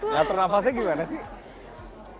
latur nafasnya gimana sih